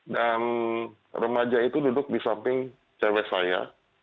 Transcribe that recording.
dan remaja itu duduk di samping cewe saya